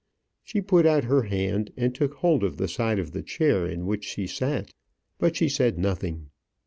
She put out her hand, and took hold of the side of the chair in which she sat; but she said nothing.